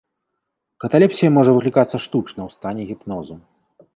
Каталепсія можа выклікацца штучна ў стане гіпнозу.